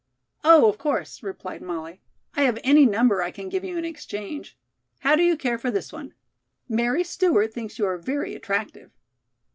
"Oh, of course," replied Molly. "I have any number I can give you in exchange. How do you care for this one? Mary Stewart thinks you are very attractive."